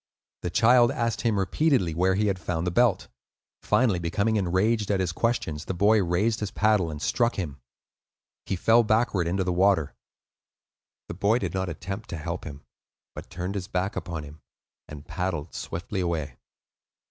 The child asked him repeatedly where he had found the belt; finally becoming enraged at his questions, the boy raised his paddle and struck him. He fell backward into the water. The boy did not attempt to help him, but turned his back upon him, and paddled swiftly away.